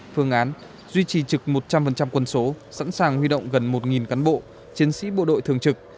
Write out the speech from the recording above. phương án duy trì trực một trăm linh quân số sẵn sàng huy động gần một cán bộ chiến sĩ bộ đội thường trực